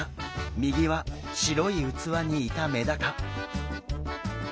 右は白い器にいたメダカ。